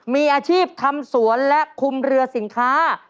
มีอาชีพทำสวนและคุมเรือสินค้า